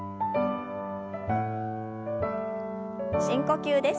深呼吸です。